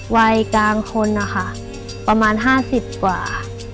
วัยกลางคนนะคะประมาณ๕๐กว่า